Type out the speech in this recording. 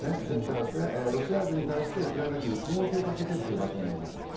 ですから、ロシア軍に対してウクライナ軍が攻撃をかけているという場所になります。